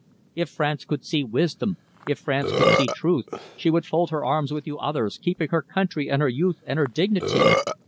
If France could see wisdom, if France could see truth, she would fold her arms with you others, keep her country and her youth and her dignity.